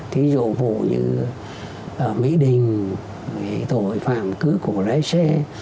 thí dụ vụ như mỹ đình tội phạm cưới cổ lái xe